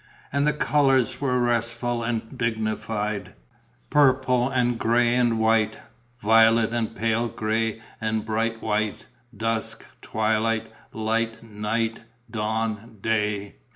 And the colours were restful and dignified: purple and grey and white; violet and pale grey and bright white; dusk, twilight, light; night, dawn, day.